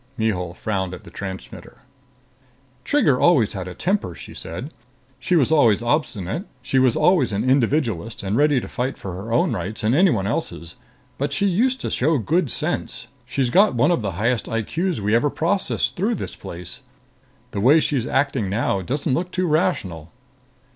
Mihul frowned at the transmitter. "Trigger always had a temper," she said. "She was always obstinate. She was always an individualist and ready to fight for her own rights and anyone else's. But she used to show good sense. She's got one of the highest I.Q.s we ever processed through this place. The way she's acting now doesn't look too rational."